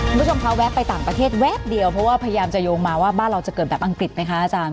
คุณผู้ชมคะแวะไปต่างประเทศแวบเดียวเพราะว่าพยายามจะโยงมาว่าบ้านเราจะเกิดแบบอังกฤษไหมคะอาจารย์